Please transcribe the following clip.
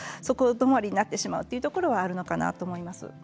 そこ止まりになってしまうところがあるのかなと思います。